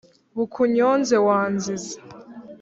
Bakunyonze wanzize.